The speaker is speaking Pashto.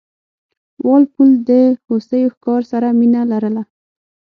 وال پول د هوسیو ښکار سره مینه لرله.